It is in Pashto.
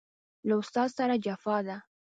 له استاد سره جفا ده